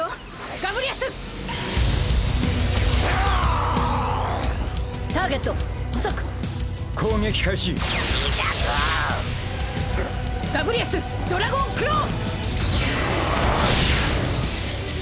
ガブリアスドラゴンクロー！